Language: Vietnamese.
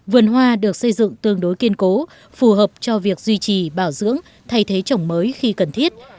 vườn hoa được xây dựng tương đối kiên cố phù hợp cho việc duy trì bảo dưỡng thay thế trồng mới khi cần thiết